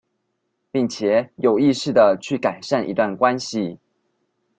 並且有意識地去改善一段關係